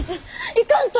行かんと！